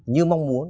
như mong muốn